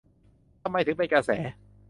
ทำไมถึงเป็นกระแส